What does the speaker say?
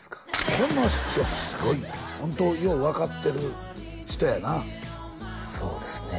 この人すごいよホントよう分かってる人やなそうですね